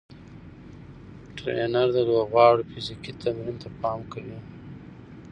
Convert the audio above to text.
ټرېنر د لوبغاړو فزیکي تمرین ته پام کوي.